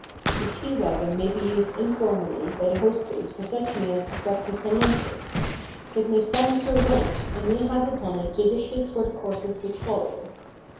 The tea wagon may be used informally by the hostess for such meals as breakfast and luncheon. It may stand at her right, and may have upon it the dishes for the courses which follow.